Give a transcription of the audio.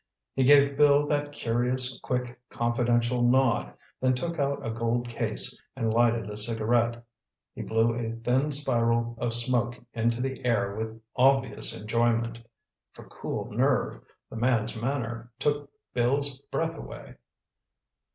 He gave Bill that curious, quick, confidential nod, then took out a gold case and lighted a cigarette. He blew a thin spiral of smoke into the air with obvious enjoyment. For cool nerve, the man's manner took Bill's breath away.